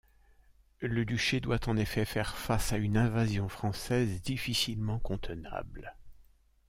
Le duché doit en effet faire face à une invasion française difficilement contenable.